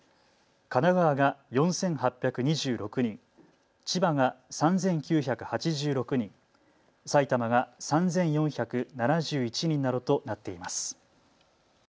神奈川が４８２６人、千葉が３９８６人、埼玉が３４７１人などとなっています。